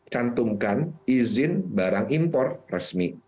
cantumkan izin barang impor resmi